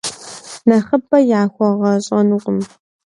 Нэхъыбэ яхуэгъэхьэщӏэнукъым.